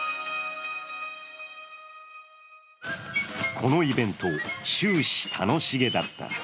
このイベント、終始楽しげだった。